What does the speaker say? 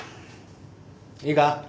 いいか？